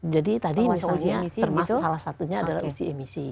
jadi tadi misalnya termasuk salah satunya adalah uji emisi